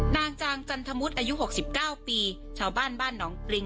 นางจางจันทมุทรอายุ๖๙ปีชาวบ้านบ้านหนองปริง